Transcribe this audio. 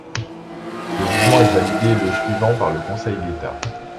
Ce jugement est validé le suivant par le Conseil d'État.